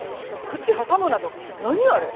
「口挟むな」とか何あれ。